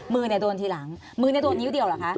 มือเนี่ยโดนทีหลังมือโดนนิ้วเดียวเหรอคะ